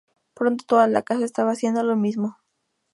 Pronto toda la casa estaba haciendo lo mismo.